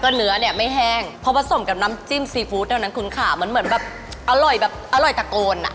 เหมือนแบบอร่อยแบบอร่อยตะโกนอะ